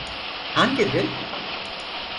Hangi gün?